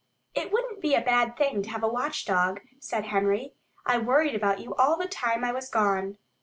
"It wouldn't be a bad thing to have a watchdog," said Henry. "I worried about you all the time I was gone."